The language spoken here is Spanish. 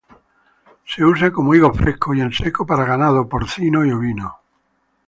Se usa como higos frescos y en seco para ganado porcino y ovino.